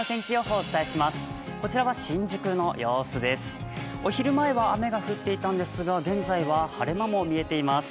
お昼前は雨が降っていたんですが、現在は晴れ間も見えています。